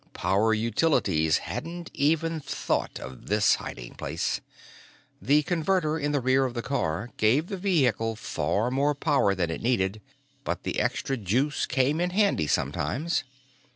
Power Utilities hadn't even thought of this hiding place. The Converter in the rear of the car gave the vehicle far more power than it needed, but the extra juice came in handy sometimes.